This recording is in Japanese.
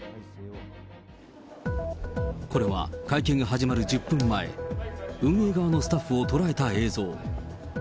これは会見が始まる１０分前、運営側のスタッフを捉えた映像。